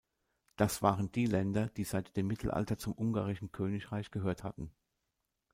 Das waren die Länder, die seit dem Mittelalter zum ungarischen Königreich gehört hatten.